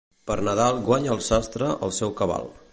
Per Nadal, guanya el sastre el seu cabal.